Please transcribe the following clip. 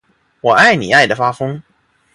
我爱你爱的发疯